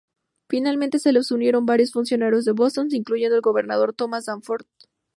Finalmente se les unieron varios funcionarios de Boston, incluyendo al gobernador Thomas Danforth.